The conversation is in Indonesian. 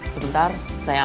terima kasih aja